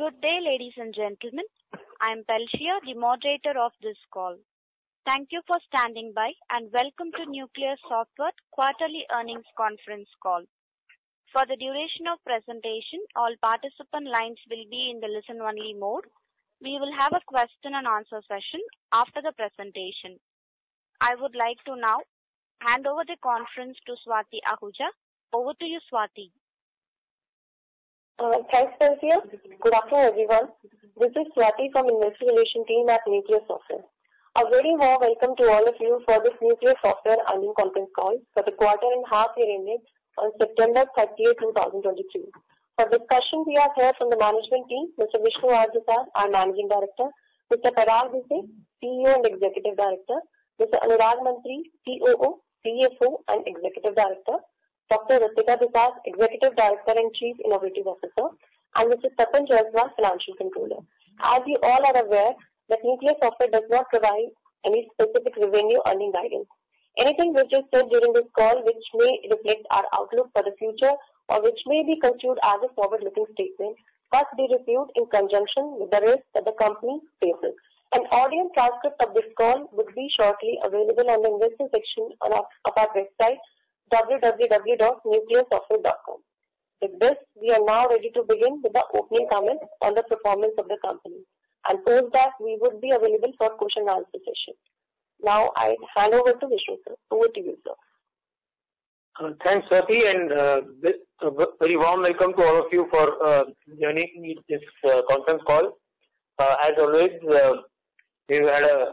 Good day, ladies and gentlemen. I am Tencia, the moderator of this call. Thank you for standing by, and welcome to Nucleus Software quarterly earnings conference call. For the duration of presentation, all participant li nes will be in the listen-only mode. We will have a question and answer session after the presentation. I would like to now hand over the conference to Swati Ahuja. Over to you, Swati. Thanks, Tencia. Good afternoon, everyone. This is Swati from Investor Relations team at Nucleus Software. A very warm welcome to all of you for this Nucleus Software earnings conference call for the quarter and half year ended September 30, 2023. For discussion, we have here from the management team, Mr. Vishnu R. Dusad, our Managing Director, Mr. Parag Bhise, CEO and Executive Director, Mr. Anurag Mantri, COO, CFO, and Executive Director, Dr. Ritika Dusad, Executive Director and Chief Innovation Officer, and Mr. Parag Joshi, Financial Controller. As you all are aware, that Nucleus Software does not provide any specific revenue earning guidance. Anything which is said during this call, which may reflect our outlook for the future or which may be construed as a forward-looking statement, must be reviewed in conjunction with the risk that the company faces. An audio transcript of this call will be shortly available on the investment section of our website, www.nucleusoftware.com. With this, we are now ready to begin with the opening comments on the performance of the company, and post that we would be available for question and answer session. Now, I hand over to Vishnu Sir. Over to you, sir. Thanks, Swati, and very warm welcome to all of you for joining me this conference call. As always, we've had a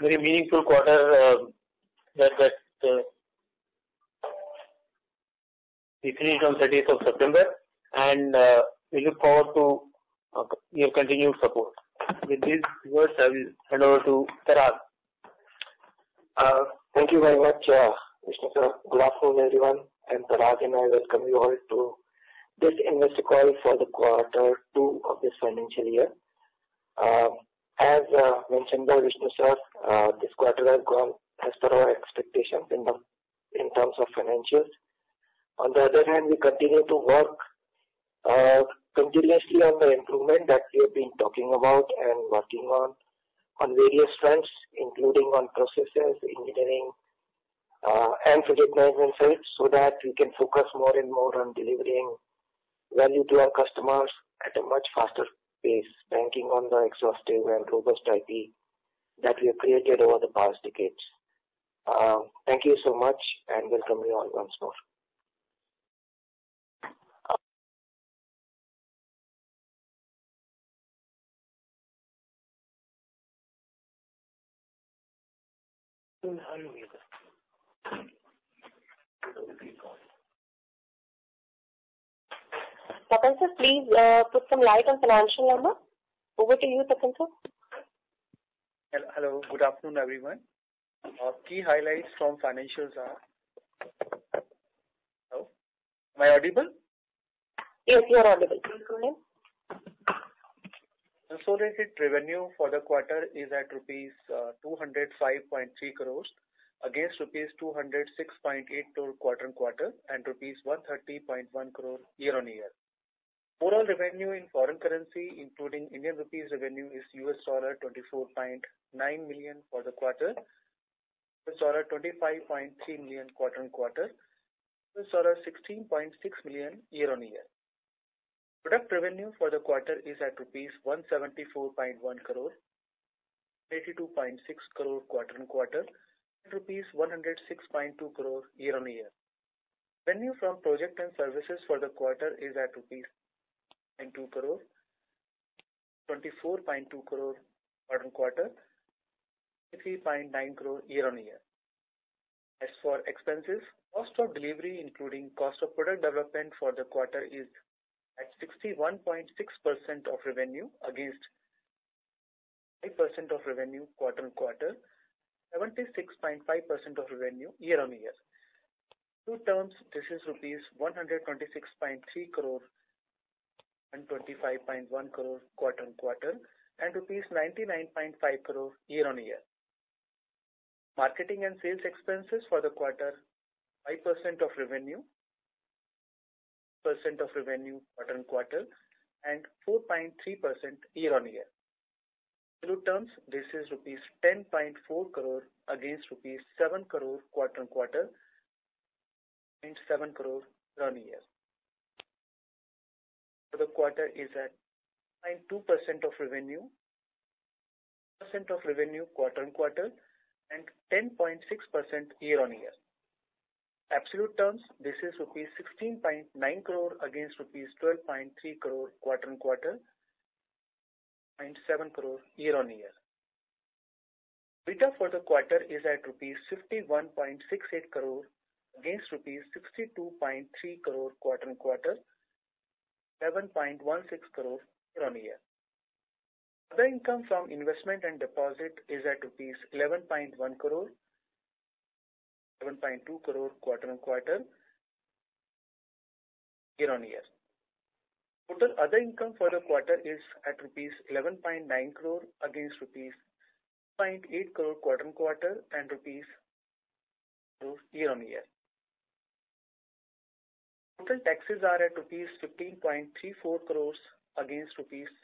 very meaningful quarter that we finished on thirtieth of September, and we look forward to your continued support. With these words, I will hand over to Parag. Thank you very much, Vishnu Sir. Good afternoon, everyone. I'm Parag, and I welcome you all to this investor call for the quarter two of this financial year. As mentioned by Vishnu Sir, this quarter has gone as per our expectations in terms of financials. On the other hand, we continue to work continuously on the improvement that we have been talking about and working on, on various fronts, including on processes, engineering, and project management sites, so that we can focus more and more on delivering value to our customers at a much faster pace, banking on the exhaustive and robust IP that we have created over the past decades. Thank you so much, and welcome you all once more. Parag Sir, please, put some light on financial number. Over to you, Parag Sir. Hello, good afternoon, everyone. Our key highlights from financials are... Hello, am I audible? Yes, you are audible. Please go on. Consolidated revenue for the quarter is at rupees 205.3 crore, against rupees 206.8 crore quarter-on-quarter, and rupees 130.1 crore year-on-year. Total revenue in foreign currency, including Indian rupees revenue, is $24.9 million for the quarter, $25.3 million quarter-on-quarter, $16.6 million year-on-year. Product revenue for the quarter is at rupees 174.1 crore, 82.6 crore quarter-on-quarter, and rupees 106.2 crore year-on-year. Revenue from project and services for the quarter is at 2 crore rupees, 24.2 crore quarter-on-quarter, 23.9 crore year-on-year. As for expenses, cost of delivery, including cost of product development for the quarter, is at 61.6% of revenue against 8% of revenue quarter-on-quarter, 76.5% of revenue year-on-year. In terms, this is rupees 126.3 crore and 25.1 crore quarter-on-quarter, and rupees 99.5 crore year-on-year. Marketing and sales expenses for the quarter, 5% of revenue, percent of revenue quarter-on-quarter, and 4.3% year-on-year. In terms, this is rupees 10.4 crore against rupees 7 crore quarter-on-quarter and 7 crore year-on-year. For the quarter is at 9.2% of revenue, percent of revenue quarter-on-quarter, and 10.6% year-on-year. In absolute terms, this is INR 16.9 crore against rupees 12.3 crore quarter-on-quarter, and 7 crore year-on-year. EBITDA for the quarter is at 51.68 crore, against rupees 62.3 crore quarter-on-quarter, 7.16 crore year-on-year. Other income from investment and deposit is at rupees 11.1 crore, 7.2 crore quarter-on-quarter, year-on-year. Total other income for the quarter is at 11.9 crore rupees, against 0.8 crore rupees quarter-on-quarter, and rupees-... to year-on-year. Total taxes are at 15.34 crores rupees against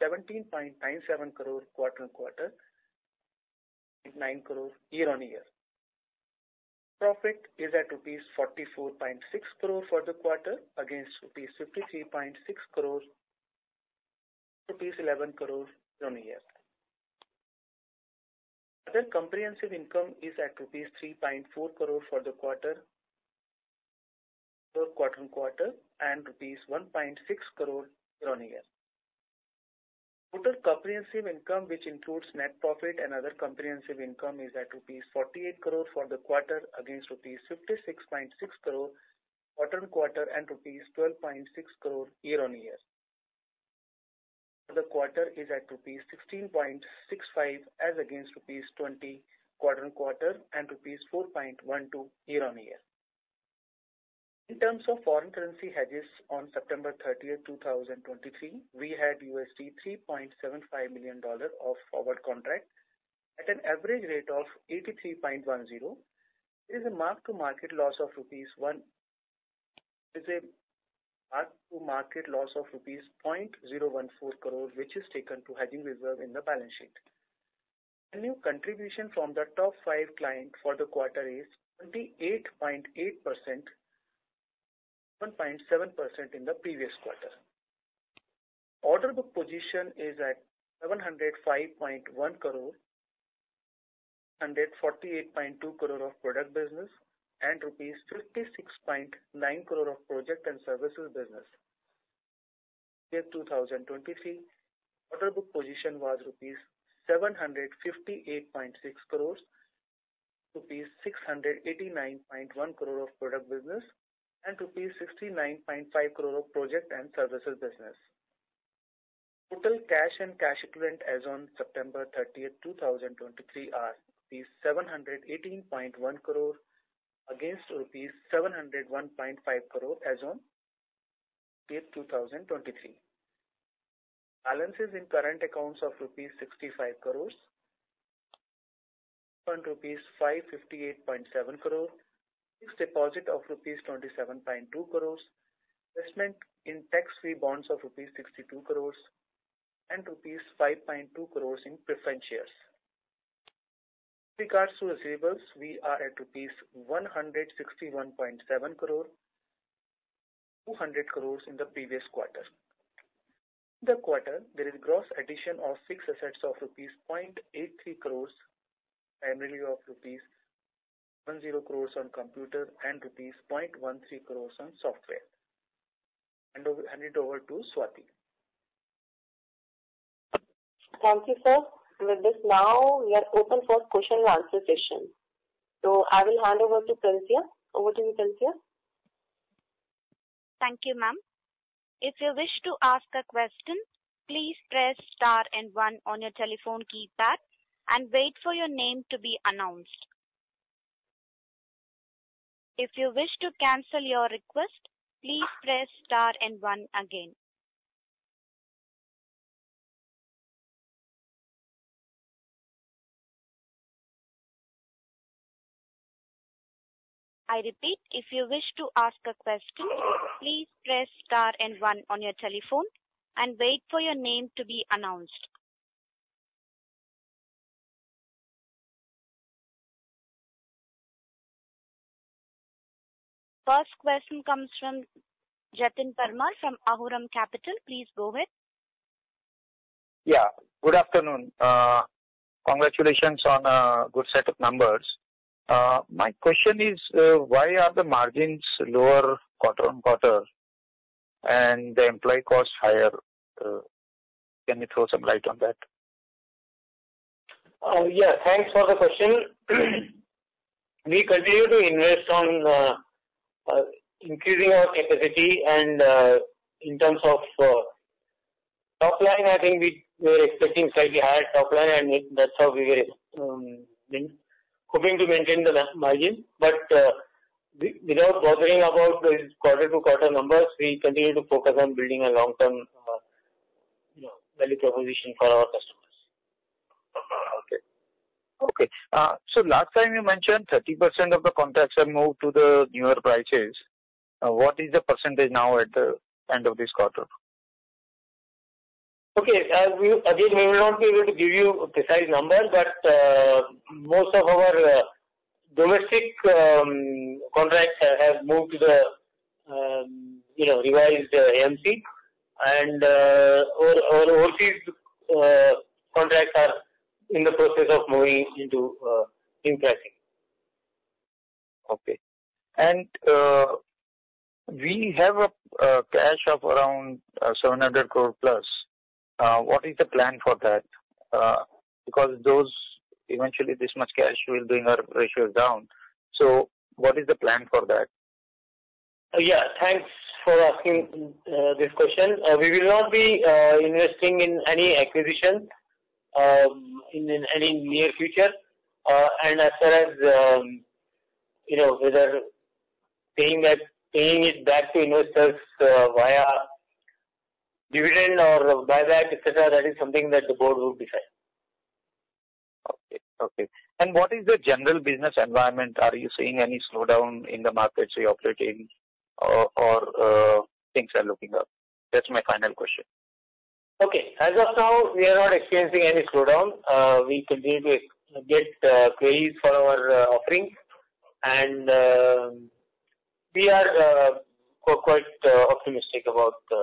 17.97 crore rupees quarter-on-quarter, and 9 crore year-on-year. Profit is at 44.6 crore rupees for the quarter, against 53.6 crores rupees, 11 crores year-on-year. Other comprehensive income is at rupees 3.4 crore for the quarter, for quarter-on-quarter, and rupees 1.6 crore year-on-year. Total comprehensive income, which includes net profit and other comprehensive income, is at rupees 48 crore for the quarter against rupees 56.6 crore quarter-on-quarter, and rupees 12.6 crore year-on-year. The quarter is at rupees 16.65, as against rupees 20 quarter-on-quarter and rupees 4.12 year-on-year. In terms of foreign currency hedges, on September 30, 2023, we had $3.75 million of forward contract at an average rate of 83.10. There is a mark-to-market loss of 0.014 crore rupees, which is taken to hedging reserve in the balance sheet. The new contribution from the top five client for the quarter is 28.8%, 1.7% in the previous quarter. Order book position is at 705.1 crore, 148.2 crore of product business, and rupees 56.9 crore of project and services business. In 2023, order book position was 758.6 crores rupees, 689.1 crore of product business and rupees 69.5 crore of project and services business. Total cash and cash equivalent as on September 30, 2023 are rupees 718.1 crore against rupees 701.5 crore as on year 2023. Balances in current accounts of rupees 65 crores, current rupees 558.7 crore, fixed deposit of rupees 27.2 crores, investment in tax-free bonds of rupees 62 crores, and rupees 5.2 crores in preference shares. With regards to receivables, we are at rupees 161.7 crore, 200 crore in the previous quarter. In the quarter, there is gross addition of fixed assets of rupees 0.83 crore, primarily of rupees 10 crore on computer and rupees 0.13 crore on software. I'll hand it over to Swati. Thank you, sir. With this now we are open for question and answer session. So I will hand over to Tencia. Over to you, Tencia. Thank you, ma'am. If you wish to ask a question, please press star and one on your telephone keypad and wait for your name to be announced. If you wish to cancel your request, please press star and one again. I repeat, if you wish to ask a question, please press star and one on your telephone and wait for your name to be announced. First question comes from Jiten Parmar, from Aurum Capital. Please go ahead. Yeah, good afternoon. Congratulations on a good set of numbers. My question is, why are the margins lower quarter-on-quarter and the employee costs higher? Can you throw some light on that? Yeah, thanks for the question. We continue to invest on increasing our capacity and in terms of top line, I think we were expecting slightly higher top line, and that's how we were hoping to maintain the margin. But without bothering about the quarter-to-quarter numbers, we continue to focus on building a long-term, you know, value proposition for our customers. Okay. Okay. So last time you mentioned 30% of the contracts are moved to the newer prices. What is the percentage now at the end of this quarter? Okay, we again will not be able to give you a precise number, but most of our domestic contracts have moved to the, you know, revised AMC, and our overseas contracts are in the process of moving into impact. Okay. And, we have cash of around 700 crore plus. What is the plan for that? Because those... eventually this much cash will bring our ratio down. So what is the plan for that? Yeah, thanks for asking this question. We will not be investing in any acquisition in any near future. And as far as, you know, whether paying back, paying it back to investors via-... dividend or buyback, et cetera, that is something that the board will decide. Okay, okay. What is the general business environment? Are you seeing any slowdown in the markets you operate in or things are looking up? That's my final question. Okay. As of now, we are not experiencing any slowdown. We continue to get queries for our offerings, and we are quite optimistic about the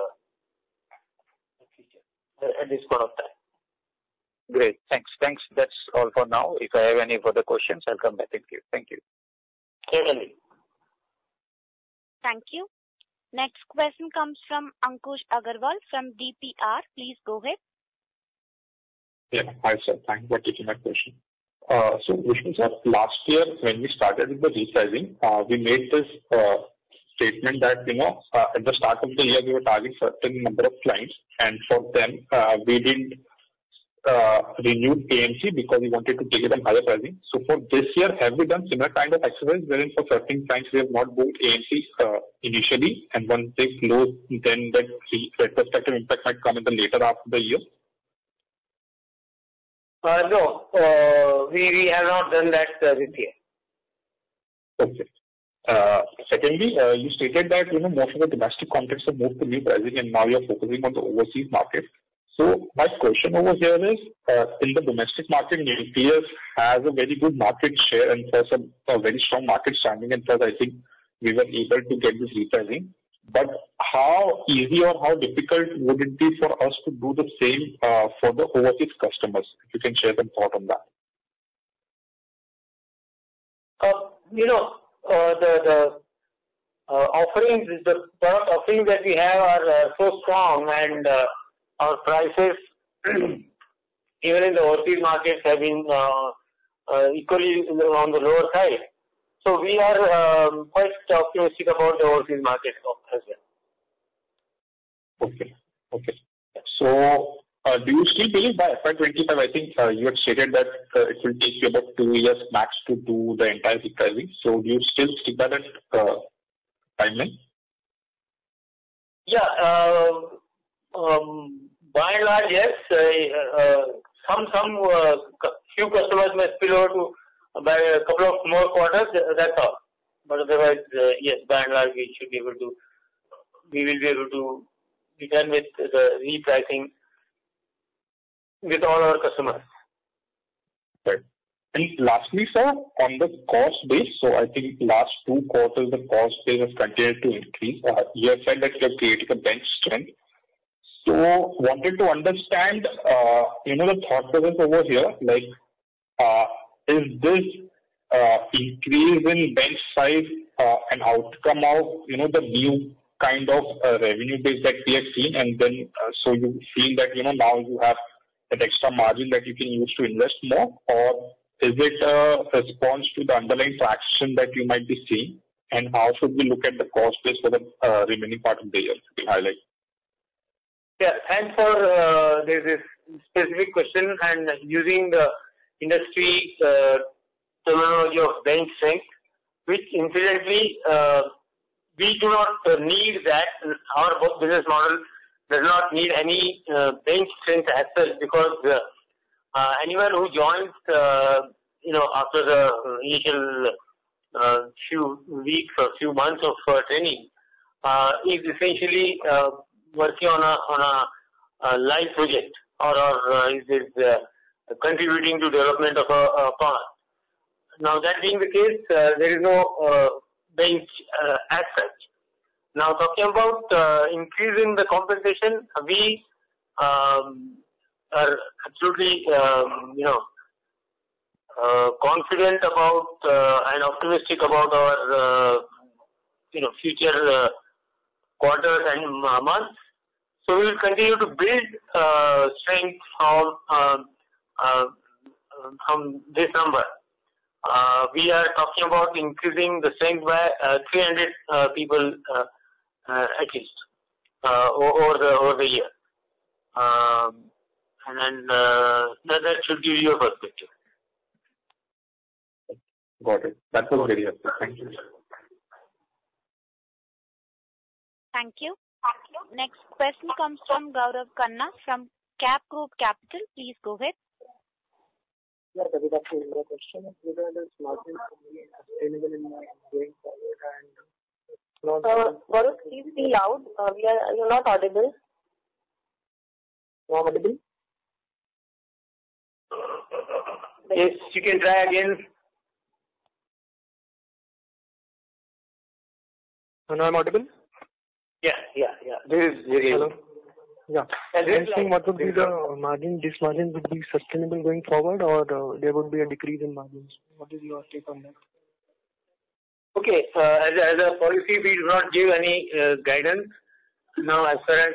future, at this point of time. Great. Thanks. Thanks. That's all for now. If I have any further questions, I'll come back to you. Thank you. Certainly. Thank you. Next question comes from Ankush Agarwal from DPR. Please go ahead. Yeah. Hi, sir. Thank you for taking my question. So Vishnu, sir, last year, when we started with the repricing, we made this statement that, you know, at the start of the year, we were targeting certain number of clients, and for them, we didn't renew AMC because we wanted to give them higher pricing. So for this year, have we done similar kind of exercise wherein for certain clients we have not booked AMC initially, and once they close, then that the retrospective impact might come in the later half of the year? No, we have not done that this year. Okay. Secondly, you stated that, you know, most of the domestic contracts are moved to repricing, and now you are focusing on the overseas market. So my question over here is, in the domestic market, TCS has a very good market share and has a very strong market standing, and so I think we were able to get this repricing. But how easy or how difficult would it be for us to do the same, for the overseas customers? If you can share your thought on that. You know, the product offerings that we have are so strong, and our prices, even in the overseas markets, have been equally on the lower side. So we are quite optimistic about the overseas market as well. Okay. Okay. So, do you still believe by FY 2025, I think, you had stated that it will take you about two years max to do the entire repricing. So do you still stick by that timeline? Yeah. By and large, yes. Few customers may spill over to by a couple of more quarters, that's all. But otherwise, yes, by and large, we should be able to... We will be able to be done with the repricing with all our customers. Right. And lastly, sir, on the cost base, so I think last two quarters, the cost base has continued to increase. You have said that you have created a bench strength. So wanted to understand, you know, the thought process over here, like, is this increase in bench size an outcome of, you know, the new kind of revenue base that we have seen? And then, so you feel that, you know, now you have that extra margin that you can use to invest more? Or is it a response to the underlying traction that you might be seeing? And how should we look at the cost base for the remaining part of the year to be highlighted? Yeah. As for this specific question, and using the industry terminology of bench strength, which incidentally we do not need that. Our business model does not need any bench strength as such, because anyone who joins you know after the initial few weeks or few months of training is essentially working on a live project or is contributing to development of a product. Now, that being the case, there is no bench as such. Now, talking about increasing the compensation, we are absolutely you know confident about and optimistic about our you know future quarters and months. So we will continue to build strength from this number. We are talking about increasing the strength by 300 people at least over the year. And then that should give you a perspective. Got it. That's all clear. Thank you. Thank you. Next question comes from Gaurav Khanna from CapGrow Capital. Please go ahead. Yeah, good afternoon. My question is, whether this margin will be sustainable in the going forward and- Gaurav, please be loud. We are, you're not audible. Not audible? Yes, you can try again. Now I'm audible? Yeah, yeah, yeah. There is, yeah. Hello? Yeah. As I said- I think what would be the margin, this margin would be sustainable going forward, or there would be a decrease in margins? What is your take on that? Okay. As a, as a policy, we do not give any guidance. Now, as far as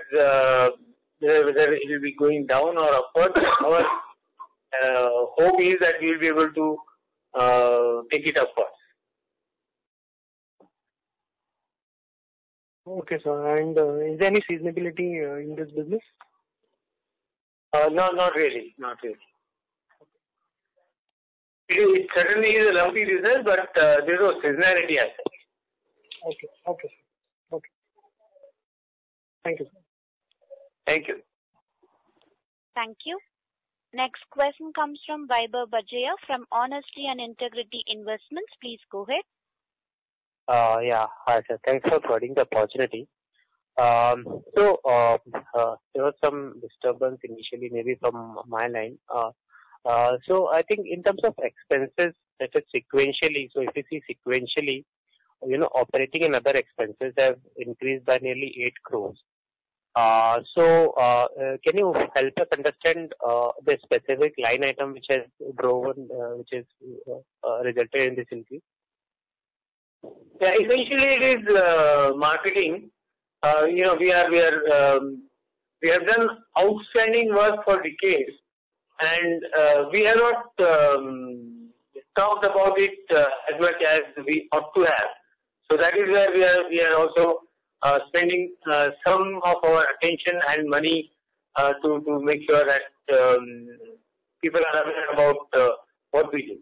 whether, whether it will be going down or upward, our hope is that we will be able to take it upwards. Okay, sir. And, is there any seasonality in this business? No, not really. Not really. It certainly is a lousy result, but, there is no seasonality as such. Okay. Okay. Okay. Thank you, sir. Thank you. Thank you. Next question comes from Vaibhav Barjatya from Honesty and Integrity Investments. Please go ahead. Yeah. Hi, sir. Thanks for providing the opportunity. So, there was some disturbance initially, maybe from my line. So I think in terms of expenses, that is sequentially. If you see sequentially, you know, operating and other expenses have increased by nearly 8 crore. So, can you help us understand the specific line item which has grown, which has resulted in this increase? Yeah, essentially, it is marketing. You know, we are, we have done outstanding work for decades, and we have not talked about it as much as we ought to have. So that is where we are, we are also spending some of our attention and money to make sure that people are aware about what we do.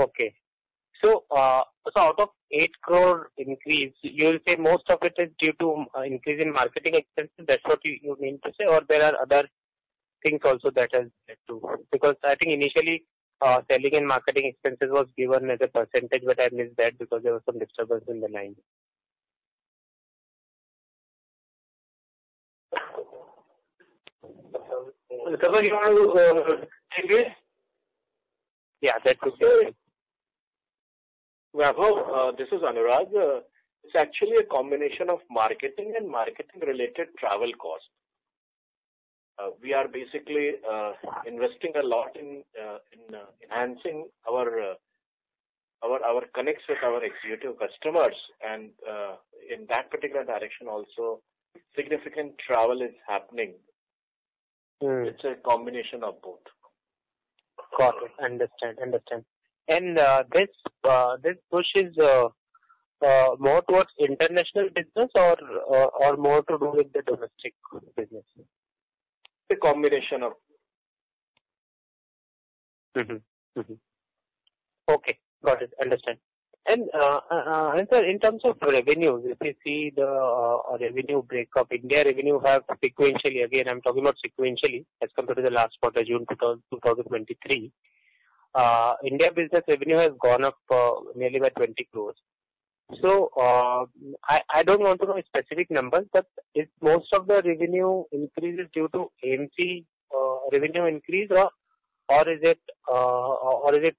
Okay. So, so out of 8 crore increase, you say most of it is due to, increase in marketing expenses. That's what you, you mean to say, or there are other things also that has led to... Because I think initially, selling and marketing expenses was given as a percentage, but I missed that because there was some disturbance in the line. Vaibhav, you want to, take this? Yeah, that would be- Vaibhav, this is Anurag. It's actually a combination of marketing and marketing-related travel costs. We are basically investing a lot in enhancing our connects with our executive customers. And in that particular direction, also, significant travel is happening. It's a combination of both. Got it. Understand. Understand. And, sir, in terms of revenue, if you see the revenue breakup, India revenue has sequentially—again, I'm talking about sequentially, as compared to the last quarter, June two thousand and twenty-three. India business revenue has gone up nearly by 20 crore. So, I don't want to know a specific number, but is most of the revenue increase due to AMC revenue increase or is it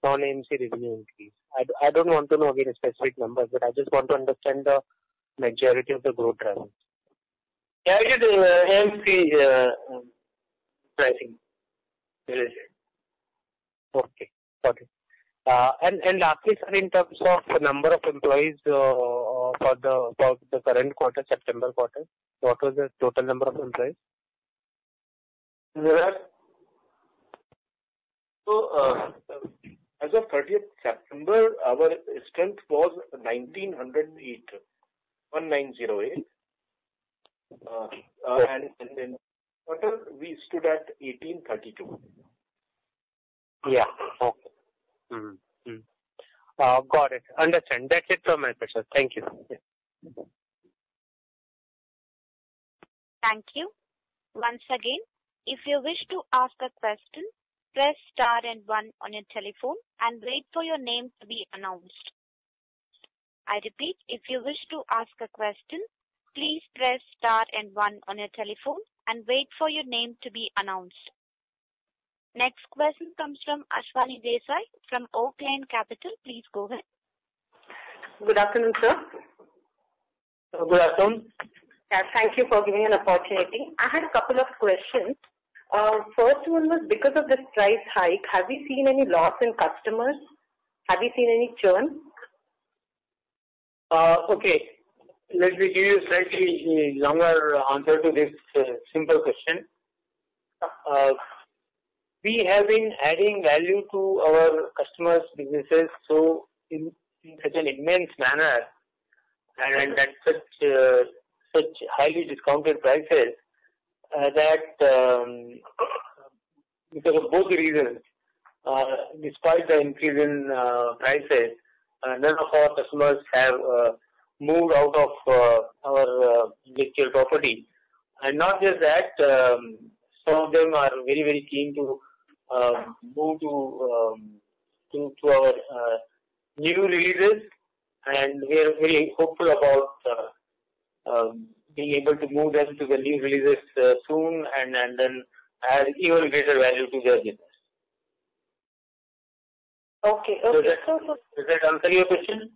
non-AMC revenue increase? I don't want to know, again, a specific number, but I just want to understand the majority of the growth drivers. Yeah, it is AMC pricing. It is it. Okay. Okay. And lastly, sir, in terms of the number of employees, for the current quarter, September quarter, what was the total number of employees? Anurag? So, as of thirtieth September, our strength was 1,908. And in then quarter, we stood at 1,832. Yeah. Okay. Got it. Understand. That's it from my questions. Thank you. Thank you. Once again, if you wish to ask a question, press star and one on your telephone and wait for your name to be announced. I repeat, if you wish to ask a question, please press star and one on your telephone and wait for your name to be announced. Next question comes from Ashwini Desai from Oaklane Capital. Please go ahead. Good afternoon, sir. Good afternoon. Yeah, thank you for giving an opportunity. I had a couple of questions. First one was because of this price hike, have you seen any loss in customers? Have you seen any churn? Okay, let me give you a slightly longer answer to this simple question. We have been adding value to our customers' businesses, so in such an immense manner and at such highly discounted prices that because of both the reasons, despite the increase in prices, none of our customers have moved out of our intellectual property. And not just that, some of them are very, very keen to move to our new releases, and we are very hopeful about being able to move them to the new releases soon and then add even greater value to their business. Okay. Okay. Does that answer your question?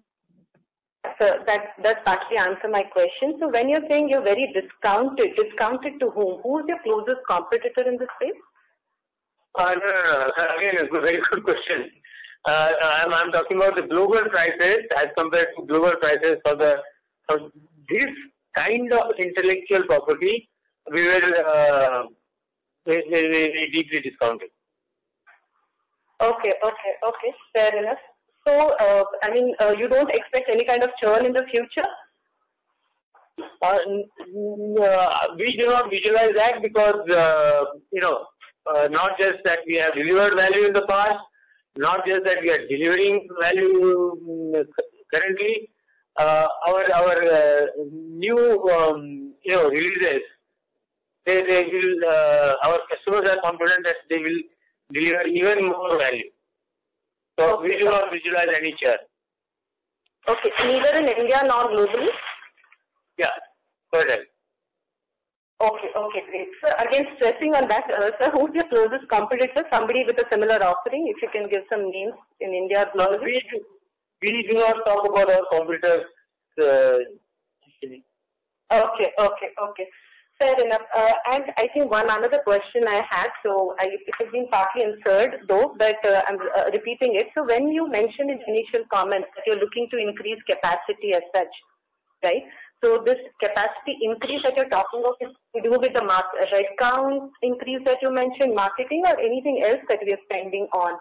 Sir, that partly answered my question. So when you're saying you're very discounted to whom? Who is your closest competitor in this space? No, no, no. Again, a very good question. I'm talking about the global prices as compared to global prices for the... For this kind of intellectual property, we were deeply discounted. Okay, okay, okay. Fair enough. So, I mean, you don't expect any kind of churn in the future? We do not visualize that because, you know, not just that we have delivered value in the past, not just that we are delivering value, currently, our new, you know, releases, they will, our customers are confident that they will deliver even more value. So we do not visualize any churn. Okay. Neither in India nor globally? Yeah, correct. Okay. Okay, great. So again, stressing on that, sir, who would your closest competitor, somebody with a similar offering, if you can give some names in India or globally? No, we do not talk about our competitors, usually. Okay, okay, okay. Fair enough. And I think one other question I had, so it has been partly answered, though, but I'm repeating it. So when you mentioned in initial comments that you're looking to increase capacity as such, right? So this capacity increase that you're talking of is to do with the headcount increase that you mentioned, marketing or anything else that we are spending on?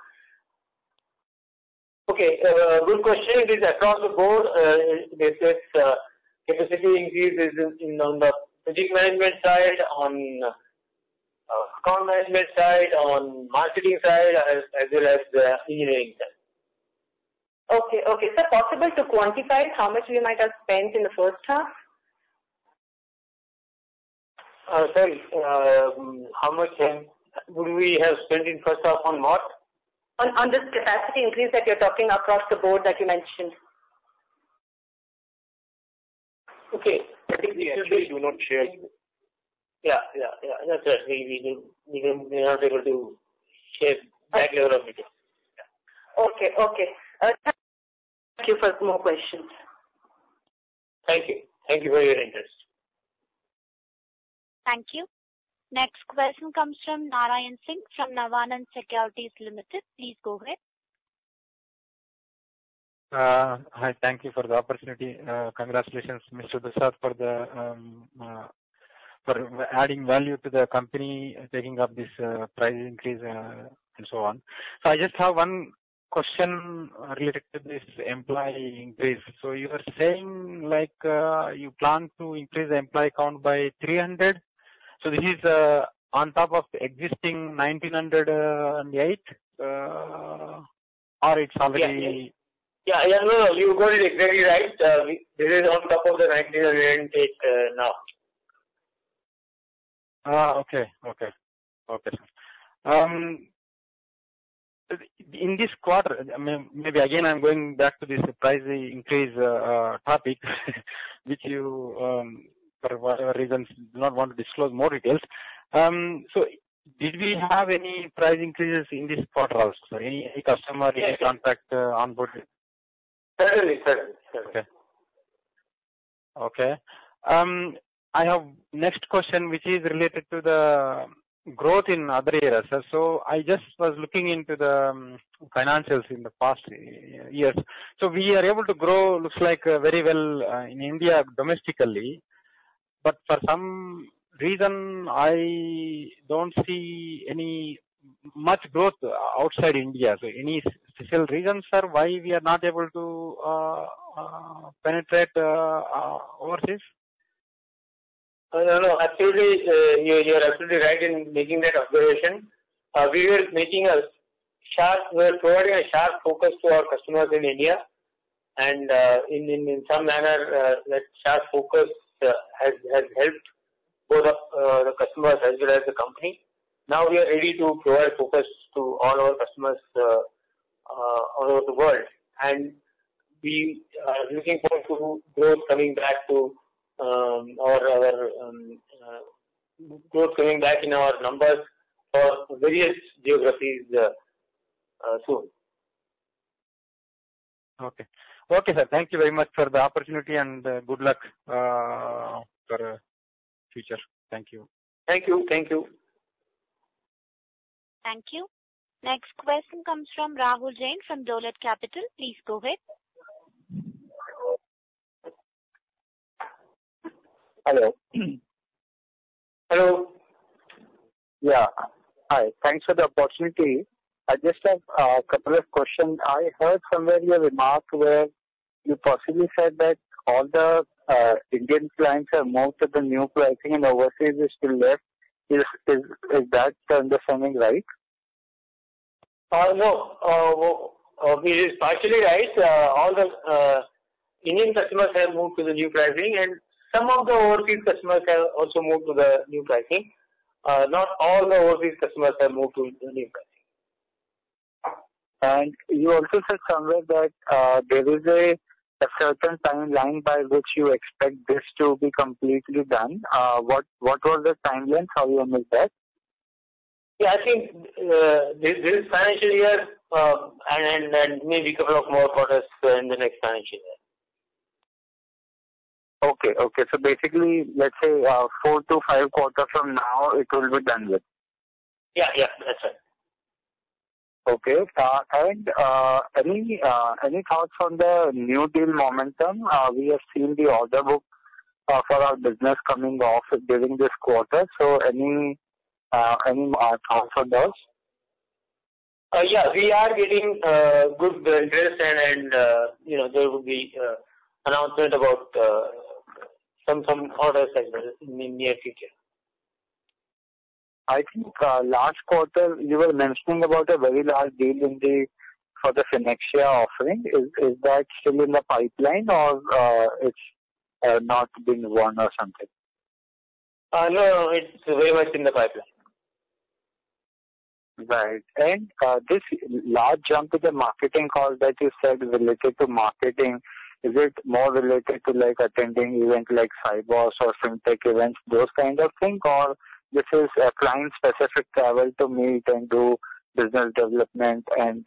Okay, good question. It is across the board, with this capacity increase is in on the project management side, on account management side, on marketing side, as well as the engineering side. Okay, okay. Is it possible to quantify how much you might have spent in the first half? Sorry, how much then would we have spent in first half on what? On this capacity increase that you're talking across the board that you mentioned. Okay. Particularly- We actually do not share. Yeah, yeah, yeah. That's right. We, we do, we are not able to share that level of detail. Yeah. Okay, okay. Thank you. For more questions. Thank you. Thank you for your interest. Thank you. Next question comes from Narayan Singh, from Narayan Securities Limited. Please go ahead. Hi, thank you for the opportunity. Congratulations, Mr. Dusad, for adding value to the company, taking up this price increase, and so on. So I just have one question related to this employee increase. So you are saying, like, you plan to increase the employee count by 300? So this is on top of the existing 1,908, or it's already- Yeah. Yeah, no, no, you got it exactly right. This is on top of the 1,908, now. Ah, okay. Okay, okay. In this quarter, I mean, maybe, again, I'm going back to this price increase, topic, which you, for whatever reasons, do not want to disclose more details. So did we have any price increases in this quarter also, any, any customer- Yes. Any contract onboarded? Certainly. Certainly. Okay. Okay. I have next question, which is related to the growth in other areas. So I just was looking into the financials in the past few years. So we are able to grow, looks like, very well in India domestically, but for some reason, I don't see much growth outside India. So any special reasons, sir, why we are not able to penetrate overseas? No, no, absolutely. You're absolutely right in making that observation. We were providing a sharp focus to our customers in India, and in some manner, that sharp focus has helped both the customers as well as the company. Now, we are ready to provide focus to all our customers all over the world, and we are looking forward to growth coming back, or our growth coming back in our numbers for various geographies, soon. Okay. Okay, sir, thank you very much for the opportunity and, good luck, for future. Thank you. Thank you. Thank you. Thank you. Next question comes from Rahul Jain, from Dolat Capital. Please go ahead. Hello? Hello. Yeah. Hi, thanks for the opportunity. I just have a couple of questions. I heard somewhere your remark where you possibly said that all the Indian clients have moved to the new pricing and overseas is still left. Is that understanding right? No. Well, it is partially right. All the Indian customers have moved to the new pricing, and some of the overseas customers have also moved to the new pricing. Not all the overseas customers have moved to the new pricing. You also said somewhere that there is a certain timeline by which you expect this to be completely done. What was the timeline? How you remember that? Yeah, I think this financial year, and maybe a couple of more quarters in the next financial year. Okay, okay. So basically, let's say, 4-5 quarters from now, it will be done with. Yeah, yeah, that's right. Okay, any thoughts on the new deal momentum? We have seen the order book for our business coming off during this quarter. So any thoughts on this? Yeah, we are getting good interest and you know, there will be announcement about some orders in the near future. I think, last quarter you were mentioning about a very large deal in the—for the FinnAxia offering. Is that still in the pipeline or it's not been won or something? No, it's very much in the pipeline. Right. And, this large jump to the marketing call that you said related to marketing, is it more related to, like, attending events like Sibos or Fintech events, those kind of thing, or this is a client-specific travel to meet and do business development and,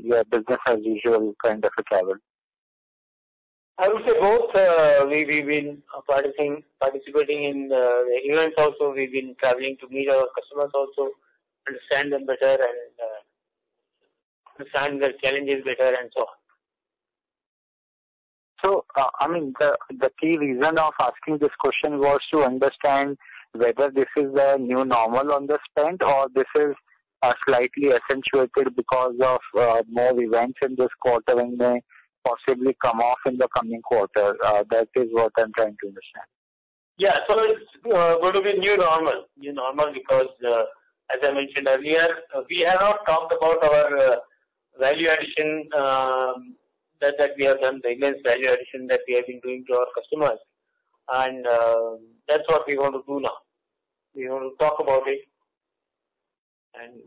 yeah, business as usual, kind of a travel? I would say both. We've been participating in events also. We've been traveling to meet our customers also, understand them better, and understand their challenges better and so on. I mean, the key reason of asking this question was to understand whether this is a new normal on the spend or this is slightly accentuated because of more events in this quarter and may possibly come off in the coming quarter. That is what I'm trying to understand. Yeah. So it's going to be new normal. New normal, because as I mentioned earlier, we have not talked about our value addition, that we have done, the immense value addition that we have been doing to our customers. And that's what we want to do now. We want to talk about it and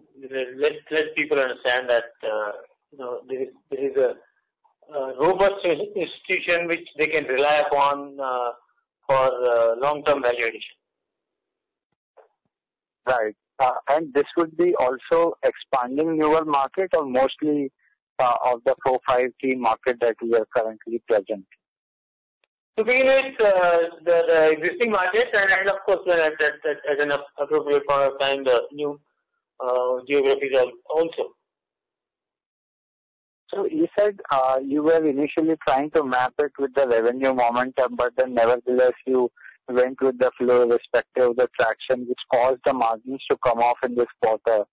let people understand that you know, this is a robust institution which they can rely upon for long-term value addition. Right. This would be also expanding your market or mostly of the profile key market that you are currently present? To begin with, the existing market and, of course, as appropriate for our time, the new geographies are also. So you said, you were initially trying to map it with the revenue momentum, but then nevertheless, you went with the flow respective of the traction, which caused the margins to come off in this quarter.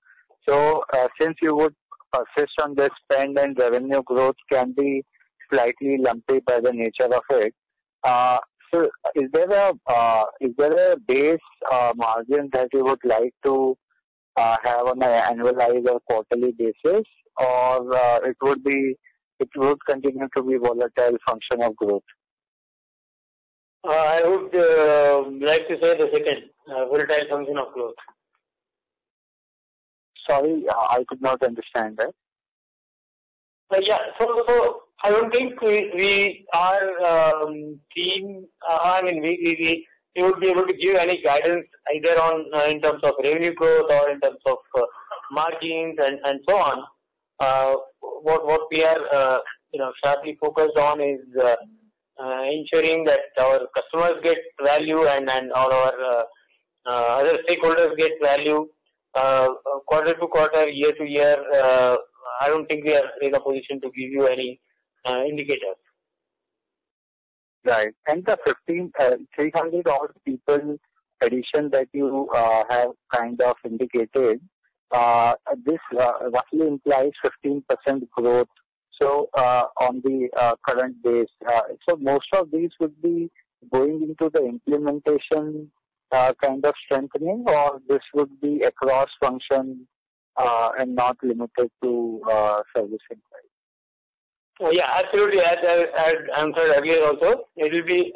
So, since you would persist on the spend and revenue growth can be slightly lumpy by the nature of it, so is there a base margin that you would like to have on a annualized or quarterly basis? Or, it would continue to be volatile function of growth. I would like to say the second volatile function of growth. Sorry, I could not understand that. Yeah. So, I don't think we are keen. I mean, we would be able to give any guidance either on in terms of revenue growth or in terms of margins and so on. What we are, you know, sharply focused on is ensuring that our customers get value and all our other stakeholders get value quarter to quarter, year to year. I don't think we are in a position to give you any indicators. Right. And the 15, 300-odd people addition that you have kind of indicated, this roughly implies 15% growth, so on the current base. So most of these would be going into the implementation kind of strengthening, or this would be across function and not limited to service inquiry? Yeah, absolutely. As answered earlier also, it will be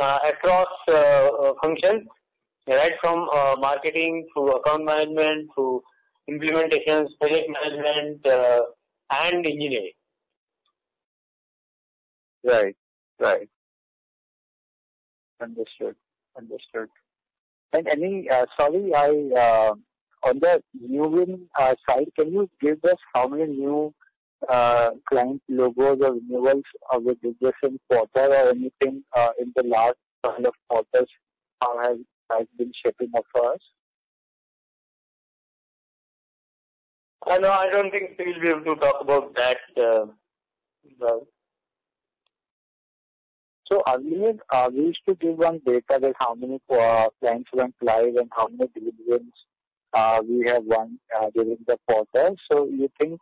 across functions, right from marketing through account management, through implementations, project management, and engineering. Right. Right. Understood. Understood. And any, sorry, I, on the new win side, can you give us how many new client logos or renewals of the business in quarter or anything in the last kind of quarters has been shaping up for us? I know. I don't think we'll be able to talk about that, well. So earlier, we used to give one data that how many clients went live and how many dividends we have won during the quarter. So you think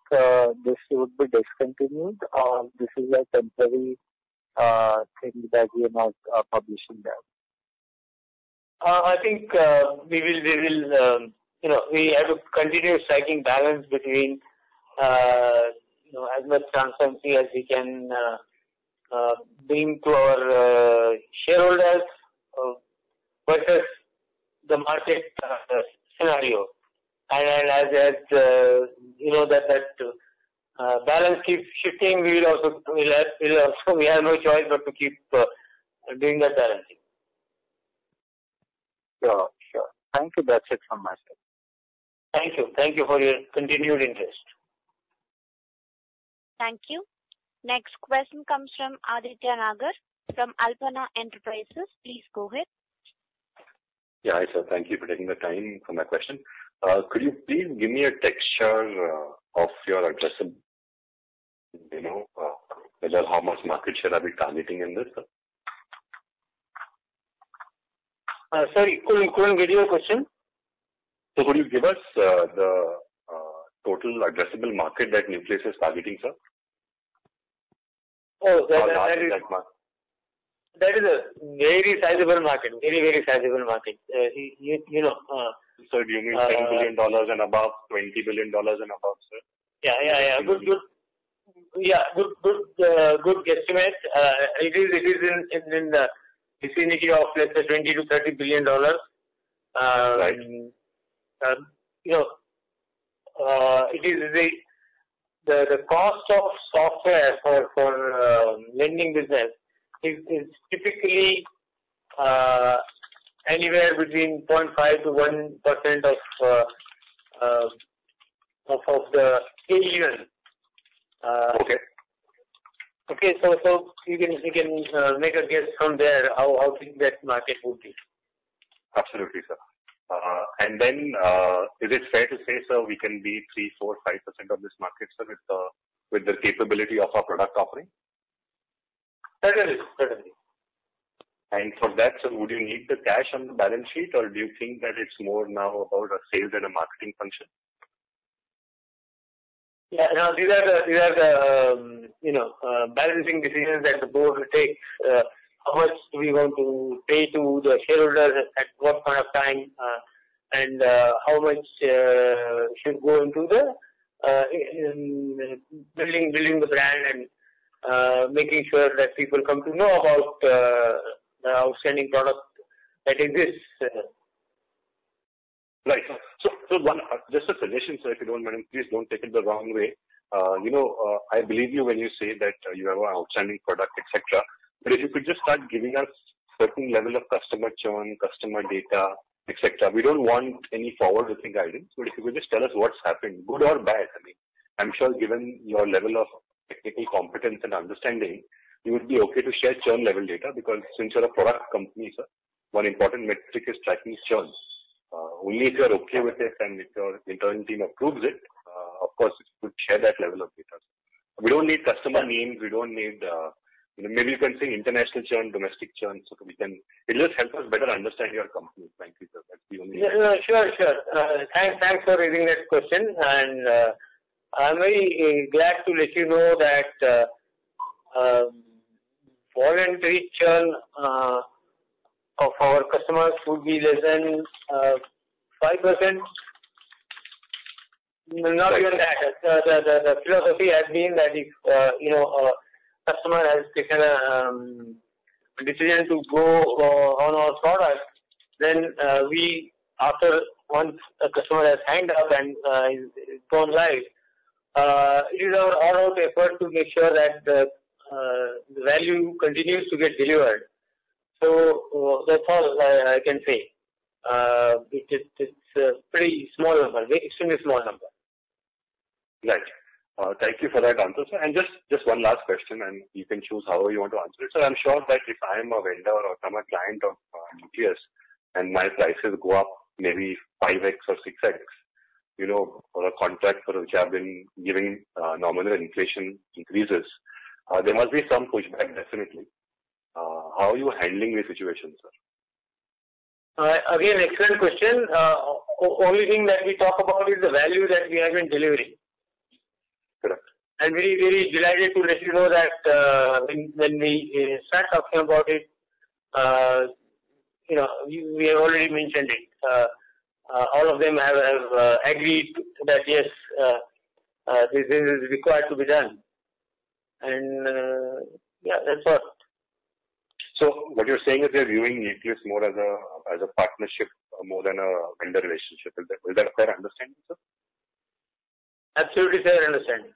this would be discontinued or this is a temporary thing that we are not publishing that? I think, we will, we will, you know, we have to continue striking balance between, you know, as much transparency as we can bring to our shareholders versus the market scenario. And as, as, you know, that, that balance keeps shifting, we will also, we will, we will also, we have no choice but to keep doing that balancing. Sure. Sure. Thank you. That's it from my side. Thank you. Thank you for your continued interest. Thank you. Next question comes from Aditya Nagar from Alpana Enterprises. Please go ahead. Yeah. Hi, sir. Thank you for taking the time for my question. Could you please give me a texture of your addressable, you know, how much market share are we targeting in this? Sir, could I get your question? So could you give us the total addressable market that Nucleus is targeting, sir? Oh, that is a very sizable market. Very, very sizable market. You know, Sir, do you mean $10 billion and above, $20 billion and above, sir? Yeah, yeah, yeah. Good, good. Yeah, good, good, good guesstimate. It is, it is in, in the vicinity of, let's say, $20 billion-$30 billion. Right. You know, it is the cost of software for lending business is typically anywhere between 0.5%-1% of the trillion. Okay. Okay, so you can make a guess from there, how big that market would be. Absolutely, sir. And then, is it fair to say, sir, we can be 3, 4, 5% of this market, sir, with the capability of our product offering? Certainly. Certainly. For that, sir, would you need the cash on the balance sheet, or do you think that it's more now about a sales and a marketing function? Yeah. Now, these are the, you know, balancing decisions that the board will take. How much we want to pay to the shareholders at what point of time, and how much should go into the in building the brand and making sure that people come to know about the outstanding product that exists? Right. So, one... Just a suggestion, sir, if you don't mind, please don't take it the wrong way. You know, I believe you when you say that you have an outstanding product, et cetera. But if you could just start giving us certain level of customer churn, customer data, et cetera. We don't want any forward-looking guidance, but if you could just tell us what's happened, good or bad, I mean. I'm sure given your level of technical competence and understanding, you would be okay to share churn level data, because since you're a product company, sir, one important metric is tracking churn. Only if you are okay with it and if your internal team approves it, of course, you could share that level of data. We don't need customer names, we don't need... Maybe you can say international churn, domestic churn, so that we can. It'll just help us better understand your company. Thank you, sir. That's the only- Yeah, sure, sure. Thanks, thanks for raising that question. I'm very glad to let you know that voluntary churn of our customers would be less than 5%. Not even that. The philosophy has been that if you know, a customer has taken a decision to go on our product, then once a customer has signed up and gone live, it is all our effort to make sure that the value continues to get delivered. That's all I can say. It's a pretty small number. Extremely small number. Right. Thank you for that answer, sir. And just one last question, and you can choose however you want to answer it. Sir, I'm sure that if I am a vendor or I'm a client of Nucleus, and my prices go up, maybe 5x or 6x, you know, for a contract for which I've been giving nominal inflation increases, there must be some pushback, definitely. How are you handling the situation, sir? Again, excellent question. Only thing that we talk about is the value that we have been delivering. Correct. I'm very, very delighted to let you know that, when we start talking about it, you know, we have already mentioned it. All of them have agreed that, yes, this is required to be done. And, yeah, that's all. So what you're saying is they're viewing Nucleus more as a, as a partnership, more than a vendor relationship. Will that, will that fair understanding, sir? Absolutely fair understanding.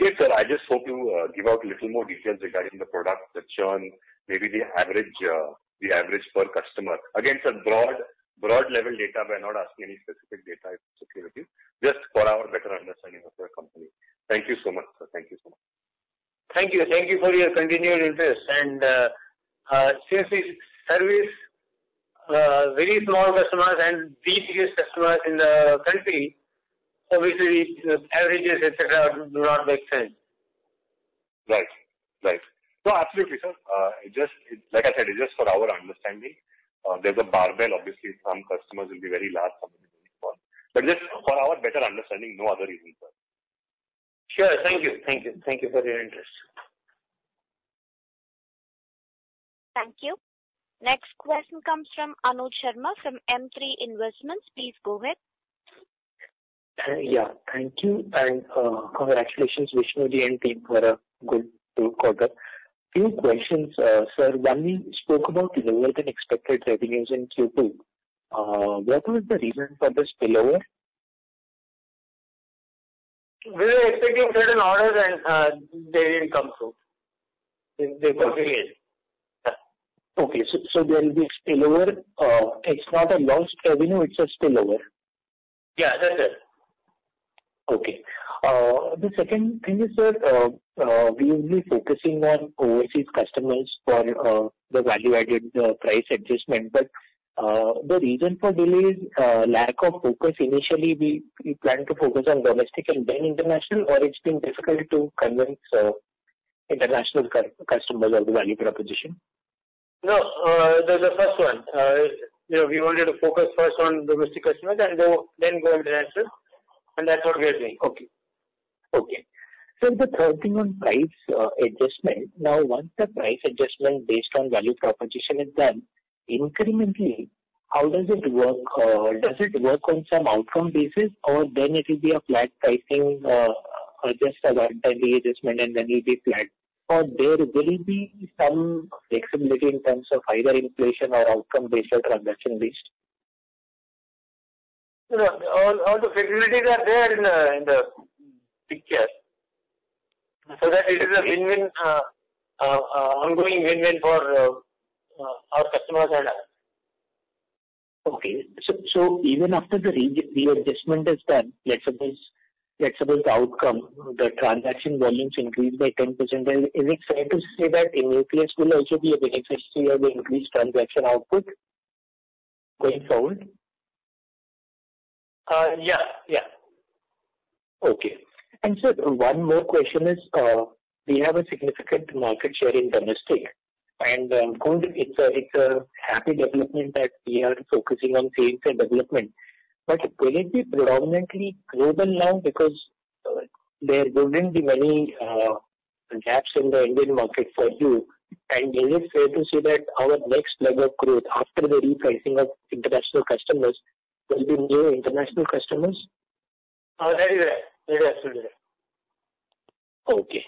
Great, sir. I just hope you give out little more details regarding the product, the churn, maybe the average, the average per customer. Again, sir, broad, broad level data. We're not asking any specific data, it's okay with you. Just for our better understanding of your company. Thank you so much, sir. Thank you so much. Thank you. Thank you for your continued interest. Since we service very small customers and biggest customers in the country, so obviously averages, et cetera, do not make sense. Right. Right. No, absolutely, sir. Just, like I said, it's just for our understanding. There's a barbell. Obviously, some customers will be very large, some small. But just for our better understanding, no other reason, sir. Sure. Thank you. Thank you. Thank you for your interest. Thank you. Next question comes from Anuj Sharma, from M3 Investments. Please go ahead. Yeah, thank you, and congratulations, Vishnu and team, for a good quarter. Few questions. Sir, one, you spoke about lower than expected revenues in Q2. What was the reason for the spillover? We were expecting certain orders, and they didn't come through. They delayed. Okay. So, there will be a spillover. It's not a lost revenue, it's a spillover. Yeah, that's it. Okay. The second thing is, sir, we will be focusing on overseas customers for the value-added price adjustment. But the reason for delay is lack of focus. Initially, we planned to focus on domestic and then international, or it's been difficult to convince international customers or the value proposition? No, the first one, you know, we wanted to focus first on domestic customers and go, then go international, and that's what we are doing. Okay. Okay. So the third thing on price adjustment, now, once the price adjustment based on value proposition is done, incrementally, how does it work? Or does it work on some outcome basis, or then it will be a flat pricing, or just a one-time adjustment and then it be flat? Or there will be some flexibility in terms of either inflation or outcome-based or transaction-based? No, all the facilities are there in the picture, so that it is a win-win, ongoing win-win for our customers and us. Okay. So even after the adjustment is done, let's suppose, let's suppose the outcome, the transaction volumes increase by 10%. Then is it fair to say that EPS will also be a beneficiary of the increased transaction output going forward? Yeah. Yeah. Okay. And sir, one more question is, we have a significant market share in domestic, and, good, it's a, it's a happy development that we are focusing on sales and development. But will it be predominantly global now because, there wouldn't be many, gaps in the Indian market for you? And is it fair to say that our next level of growth after the repricing of international customers will be new international customers? Very right. Yes, it is. Okay.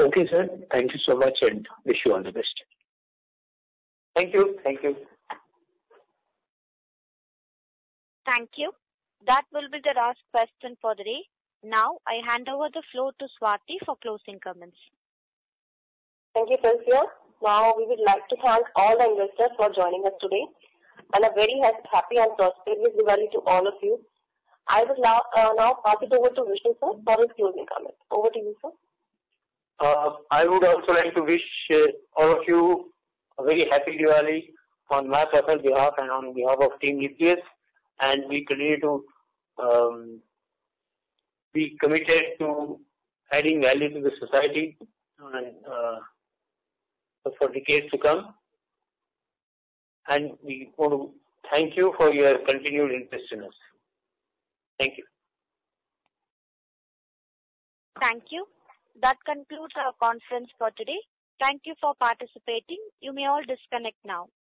Okay, sir. Thank you so much, and wish you all the best. Thank you. Thank you. Thank you. That will be the last question for the day. Now, I hand over the floor to Swati for closing comments. Thank you, Tencia. Now, we would like to thank all the investors for joining us today, and a very happy and prosperous Diwali to all of you. I would now pass it over to Vishnu sir for his closing comments. Over to you, sir. I would also like to wish all of you a very happy Diwali on my personal behalf and on behalf of Team Nucleus. And we continue to be committed to adding value to the society and for decades to come. And we want to thank you for your continued interest in us. Thank you. Thank you. That concludes our conference for today. Thank you for participating. You may all disconnect now.